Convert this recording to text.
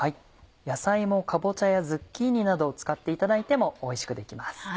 野菜もカボチャやズッキーニなどを使っていただいてもおいしくできます。